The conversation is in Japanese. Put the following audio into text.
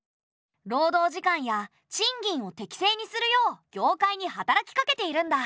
労働時間や賃金を適正にするよう業界に働きかけているんだ。